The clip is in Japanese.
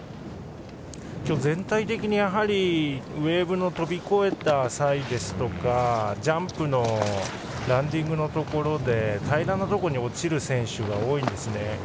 今日は全体的にウエーブを飛び越えた際ですとかジャンプのランディングのところで平らなところに落ちる選手が多いんですね。